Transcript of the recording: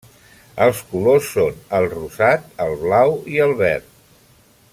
Els colors són el rosat, el blau i el verd.